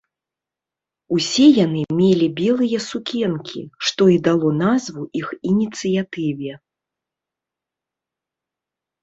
Усе яны мелі белыя сукенкі, што і дало назву іх ініцыятыве.